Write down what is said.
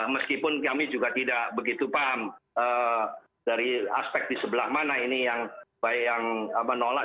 meskipun kami juga tidak begitu paham dari aspek di sebelah mana ini yang baik yang menolak